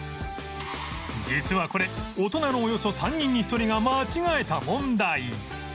実はこれ大人のおよそ３人に１人が間違えた問題